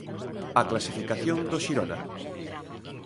A clasificación do Xirona.